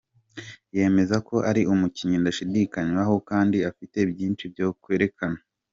Yemeza ko ari umukinnyi ndashidikanyaho kandi afite byinshi byo kwerekana.